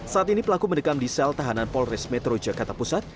saat ini pelaku mendekam di sel tahanan polres metro jakarta pusat